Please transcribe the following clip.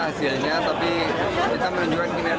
kita setiap bulan melakukan survei internal